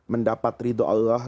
mendapat ridu allah